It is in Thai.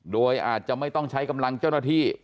โดยอาจจะไม่ต้องใช้กำลังเจ้าหน้าที่